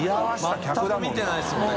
全く見てないですもんね